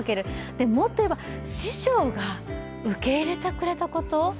で、もっといえば師匠が受け入れてくれたこと。